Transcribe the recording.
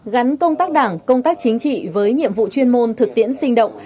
gắn công tác đảng công tác chính trị với nhiệm vụ chuyên môn thực tiễn sinh động